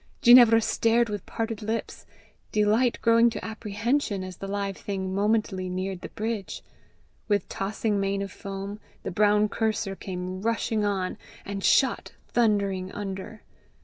Ginevra stared with parted lips, delight growing to apprehension as the live thing momently neared the bridge. With tossing mane of foam, the brown courser came rushing on, and shot thundering under.